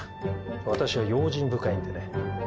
私は用心深いんでね。